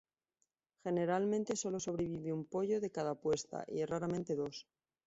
Generalmente solo sobrevive un pollo de cada puesta, y raramente dos.